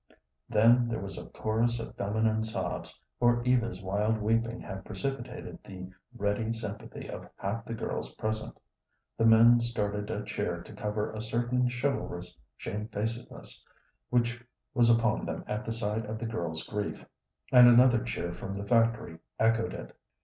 Then there was a chorus of feminine sobs, for Eva's wild weeping had precipitated the ready sympathy of half the girls present. The men started a cheer to cover a certain chivalrous shamefacedness which was upon them at the sight of the girl's grief, and another cheer from the factory echoed it.